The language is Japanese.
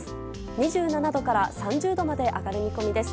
２７度から３０度まで上がる見込みです。